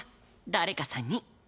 誰かさんに。